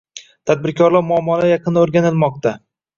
Tadbirkorlar muammolari yaqindan o‘rganilmoqdi